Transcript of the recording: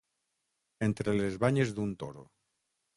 Entre les banyes d'un toro.